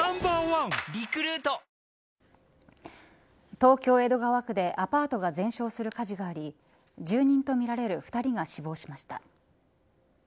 東京、江戸川区でアパートが全焼する火事があり住人とみられる２人が死亡しました。